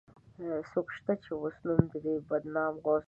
څوک شته، چې اوس نوم د دې بدنام غوث العظم مړ کړي